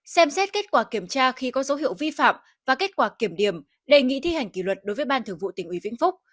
xem xét kết quả kiểm tra khi có dấu hiệu vi phạm và kết quả kiểm điểm đề nghị thi hành kỷ luật đối với ban thường vụ tỉnh ủy vĩnh phúc